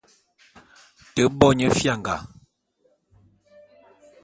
Te bo nye fianga.